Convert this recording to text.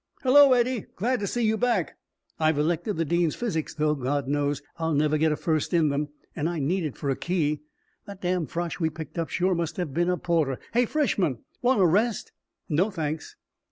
Hello, Eddie glad to see you back I've elected the dean's physics, though, God knows, I'll never get a first in them and I need it for a key. That damn Frosh we picked up sure must have been a porter hey, freshmen! Want a rest?" "No, thanks."